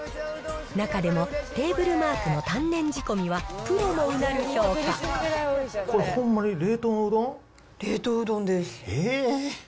中でも、テーブルマークの丹念仕込みは、これ、ほんまに冷凍のうどん冷凍うどんです。